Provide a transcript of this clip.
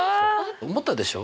思ったでしょ？